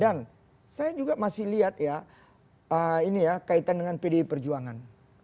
dan saya juga masih lihat ya ini ya kaitan dengan pdi perjuangan